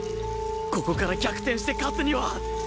ここから逆転して勝つには